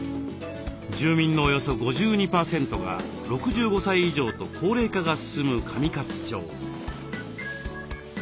住民のおよそ５２％が６５歳以上と高齢化が進む上勝町。